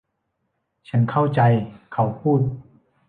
ฉันเข้าใจเขาพูด